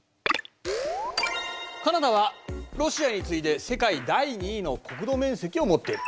カナダはロシアに次いで世界第２位の国土面積を持っている。